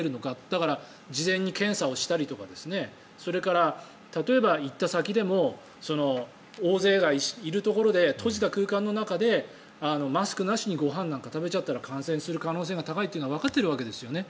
だから、事前に検査をしたりとかそれから例えば、行った先でも大勢がいるところで閉じた空間の中でマスクなしでご飯なんか食べちゃったら感染する可能性が高いというのはわかっているわけですよね。